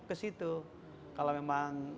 ke situ kalau memang